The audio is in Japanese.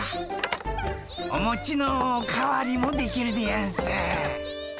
おもちのお代わりもできるでやんす。